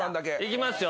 いきますよ。